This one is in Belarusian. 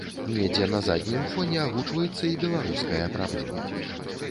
Недзе на заднім фоне агучваецца і беларуская праблема.